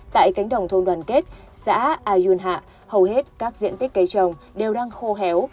tại cánh đồng thôn đoàn kết xã ayun hạ hầu hết các diện tích cây trồng đều đang khô héo